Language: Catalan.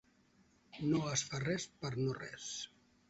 No es fa res per no res.